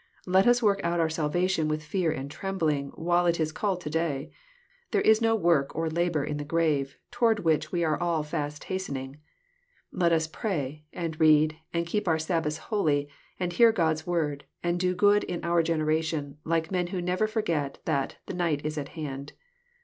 Let us work out our salvation with fear and trembling, while it is called to day. There is no work nor labour in the grave, toward which we are all fast hastening. Let us pray, and read, and keep our Sabbaths holy, and hear God's Word, and do good in our generation, like men who never forget that " the night is at hand."